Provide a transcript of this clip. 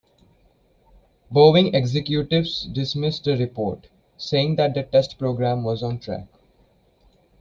Boeing executives dismissed the report, saying that the test program was on track.